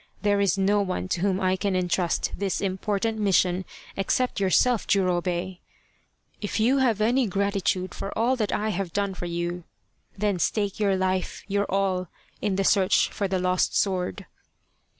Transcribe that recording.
There is no one to whom I can entrust this important mission except yourself, Jurobei. If you have any gratitude for all that I have done for you, then stake your life, your all, in the search for the lost sword.